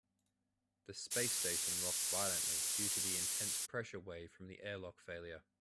The space station rocked violently due to the intense pressure wave from the airlock failure.